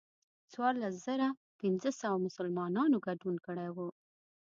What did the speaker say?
څوارلس زره پنځه سوه مسلمانانو ګډون کړی و.